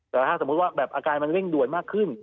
แต่ถ้าสมมุติว่าแบบอาการมันเร่งด่วนมากขึ้น